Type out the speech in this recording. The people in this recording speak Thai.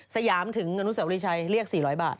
สยามถึงอนุสาวรีชัยเรียก๔๐๐บาท